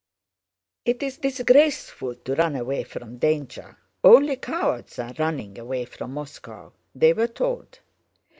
"It is disgraceful to run away from danger; only cowards are running away from Moscow," they were told.